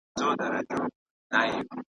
مځکه هغه سوزي چي اور پر بل وي .